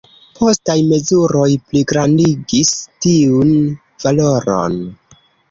Postaj mezuroj pligrandigis tiun valoron.